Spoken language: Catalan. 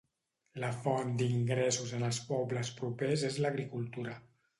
La font d'ingressos en els pobles propers és l'agricultura.